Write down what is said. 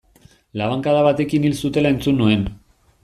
Labankada batekin hil zutela entzun nuen.